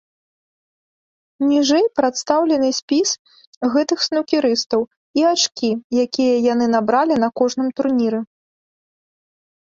Ніжэй прадстаўлены спіс гэтых снукерыстаў і ачкі, якія яны набралі на кожным турніры.